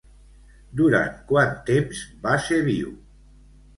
Durant quant temps va ser viu?